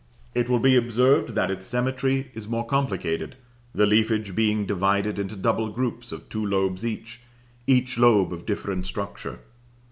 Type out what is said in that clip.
It will be observed that its symmetry is more complicated, the leafage being divided into double groups of two lobes each, each lobe of different structure.